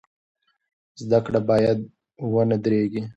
زده کړه باید ونه دریږي.